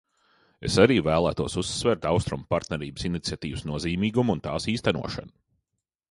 Es arī vēlētos uzsvērt Austrumu partnerības iniciatīvas nozīmīgumu un tās īstenošanu.